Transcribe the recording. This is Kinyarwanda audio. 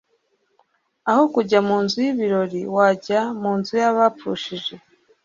aho kujya mu nzu y'ibirori wajya mu nzu y'abapfushije